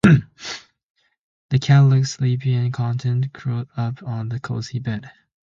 The cat looks sleepy and content, curled up on the cozy bed.